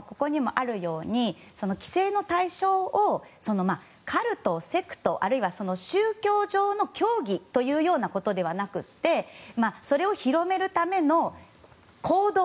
ここにもあるように規制の対象をカルト、セクトあるいは宗教上の教義ということではなくてそれを広めるための行動。